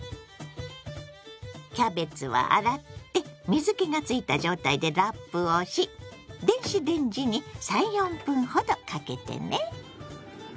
キャベツは洗って水けがついた状態でラップをし電子レンジに３４分ほどかけてね。